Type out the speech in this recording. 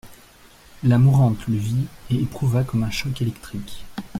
La mourante le vit et éprouva comme un choc électrique.